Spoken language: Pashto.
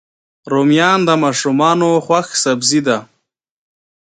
رومیان د ماشومانو خوښ سبزي ده